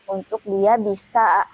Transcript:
untuk dia bisa